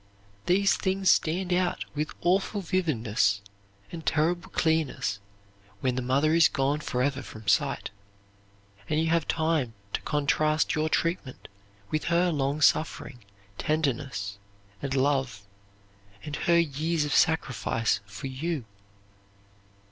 These things stand out with awful vividness and terrible clearness when the mother is gone forever from sight, and you have time to contrast your treatment with her long suffering, tenderness, and love, and her years of sacrifice for you.